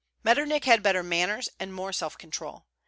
Metternich had better manners and more self control.